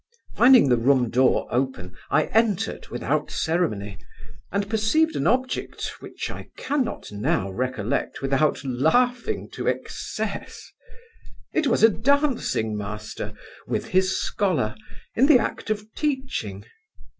Finding the room door open, I entered without ceremony, and perceived an object, which I can not now recollect without laughing to excess It was a dancing master, with his scholar, in the act of teaching.